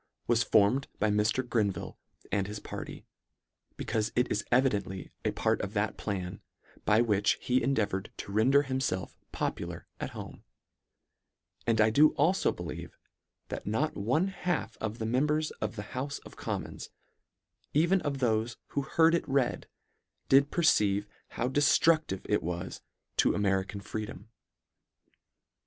was formed by Mr. Grenville and his party, becaufe it is evidently a part of that plan, by which he endeavoured to render himfelf popular at home ; and I do alfo believe that not one half of the members of the houfe of commons, even of thofe who heard it read, did perceive how deftruclive it was to American freedom.